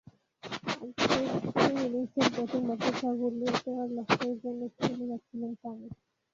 আগের তিন ইনিংসের ব্যাটিং ব্যর্থতা ভুলিয়ে দেওয়ার লক্ষ্যেই যেন খেলে যাচ্ছিলেন তামিম।